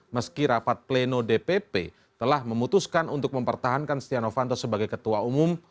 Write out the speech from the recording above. meski rapat pleno dpp telah memutuskan untuk mempertahankan setia novanto sebagai ketua umum